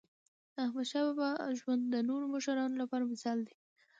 داحمدشاه بابا ژوند د نورو مشرانو لپاره مثال دی.